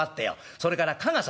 それから加賀様。